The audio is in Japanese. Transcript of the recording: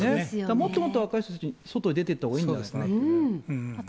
もっともっと若い人たち、外へ出ていったほうがいいんじゃないかなと。